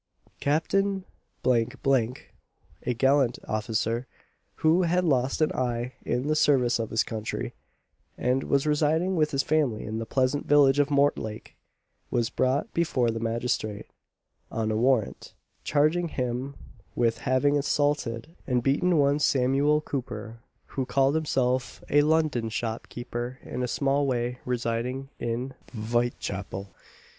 Captain J F , a gallant officer, who had lost an eye in the service of his country, and was residing with his family in the pleasant village of Mortlake, was brought before the magistrate, on a warrant, charging him with having assaulted and beaten one Samuel Cooper, who called himself "a London shop keeper, in a small way, residing in Vitechapple."